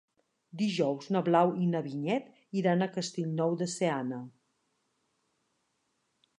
Dijous na Blau i na Vinyet iran a Castellnou de Seana.